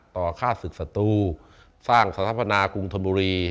ต่อฆาตศึกษตัวสร้างสรรพนากรุงธนบุรี